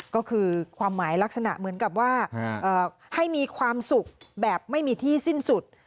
ก็คือความหมายลักษณะเหมือนกับว่าให้มีความสุขแบบไม่มีที่สิ้นสุด